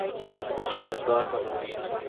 کچھ روزگار کا مسئلہ۔